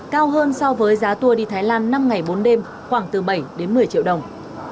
cao hơn so với giá tour đi thái lan năm ngày bốn đêm khoảng từ bảy đến một mươi triệu đồng